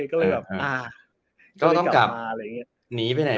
ก็เลยต้องกลับมาอะไรอย่างนี้